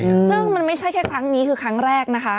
ซึ่งมันไม่ใช่แค่ครั้งนี้คือครั้งแรกนะคะ